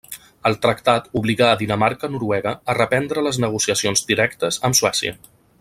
El tractat obligà a Dinamarca-Noruega a reprendre les negociacions directes amb Suècia.